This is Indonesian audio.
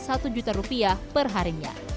rp satu juta perharinya